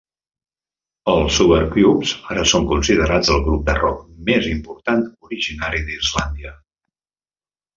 El Sugarcubes ara són considerats el grup de rock més important originari d'Islàndia.